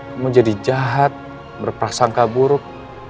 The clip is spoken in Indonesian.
kamu jadi jahat berprasangka buruk